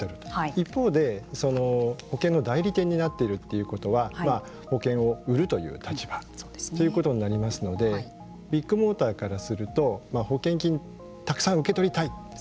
一方で、保険の代理店になっているということは保険を売るという立場ということになりますのでビッグモーターからすると保険金たくさん受け取りたい。